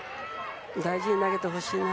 大事に投げてほしいな。